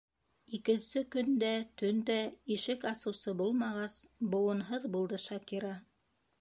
Икенсе көн дә, төн дә ишек асыусы булмағас, быуынһыҙ булды Шакира.